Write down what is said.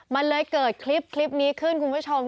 มันเลยเกิดคลิปนี้ขึ้นคุณผู้ชม